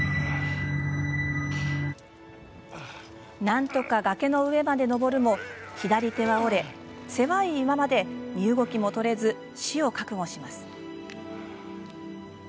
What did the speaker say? なんとか崖の上まで登るも左手は折れ狭い岩場で身動きも取れず死を覚悟します。